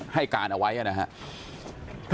ให้กาลเอาไว้อะนะฮะ